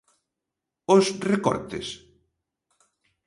Os recortes?